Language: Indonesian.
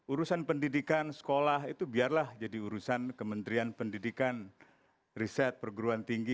urusan pendidikan sekolah itu biarlah jadi urusan kementerian pendidikan riset perguruan tinggi